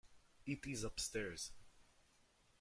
It is upstairs.